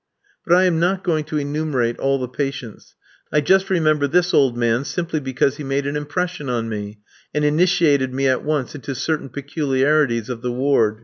But I am not going to enumerate all the patients. I just remember this old man simply because he made an impression on me, and initiated me at once into certain peculiarities of the ward.